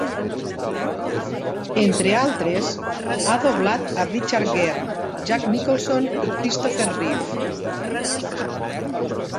Entre altres, ha doblat a Richard Gere, Jack Nicholson i Christopher Reeve.